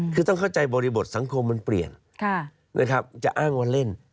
คือต้องเข้าใจบริบทสังคมมันเปลี่ยนนะครับจะอ้างว่าเล่น